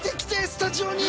スタジオに。